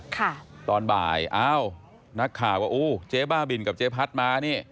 ค่ะตอนบ่ายอ้าวนักข่าวก็อู้เจ๊บ้าบินกับเจ๊พัดมานี่